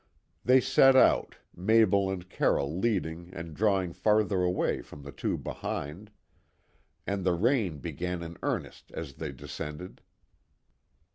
They set out, Mabel and Carroll leading and drawing farther away from the two behind; and the rain began in earnest as they descended.